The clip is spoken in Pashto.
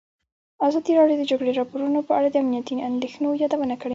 ازادي راډیو د د جګړې راپورونه په اړه د امنیتي اندېښنو یادونه کړې.